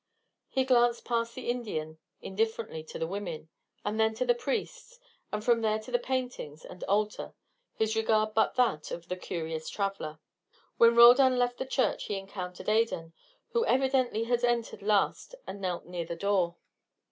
He glanced past the Indian indifferently to the women, then to the priests, and from there to the paintings and altar, his regard but that of the curious traveller. When Roldan left the church he encountered Adan, who evidently had entered last and knelt near the door.